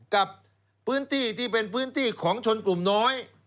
กับพื้นที่ที่เป็นพื้นที่ของชนกลุ่มน้อย